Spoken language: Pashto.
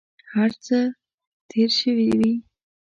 هر څه تېر شوي وي.